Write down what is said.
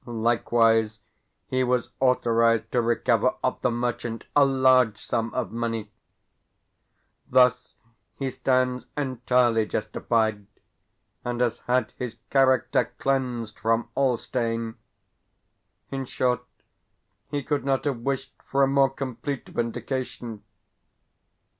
Likewise, he was authorised to recover of the merchant a large sum of money. Thus, he stands entirely justified, and has had his character cleansed from all stain. In short, he could not have wished for a more complete vindication.